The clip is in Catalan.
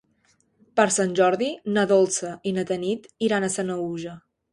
Per Sant Jordi na Dolça i na Tanit iran a Sanaüja.